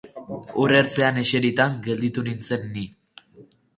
Ur ertzean eserita gelditu nintzen ni.